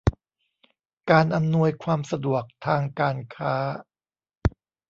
การอำนวยความสะดวกทางการค้า